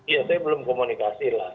ya saya belum komunikasi lah